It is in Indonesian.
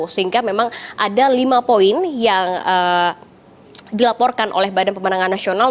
sehingga memang ada lima poin yang dilaporkan oleh badan pemenangan nasional